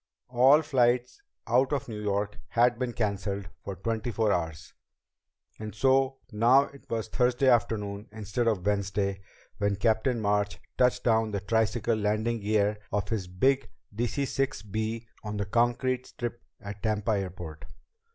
All flights out of New York had been canceled for twenty four hours, and so now it was Thursday afternoon, instead of Wednesday, when Captain March touched down the tricycle landing gear of his big DC 6 B on the concrete strip at Tampa airport.